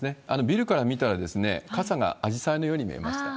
ビルから見たら、傘がアジサイのように見えました。